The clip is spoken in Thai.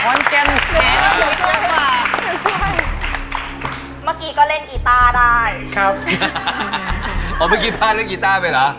เมื่อกี้ก็เล่นกีต้าได้ครับอ๋อเมื่อกี้พาเล่นกีต้าไปเหรอ